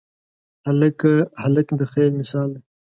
هلک د خیر مثال دی.